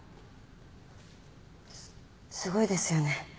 すすごいですよね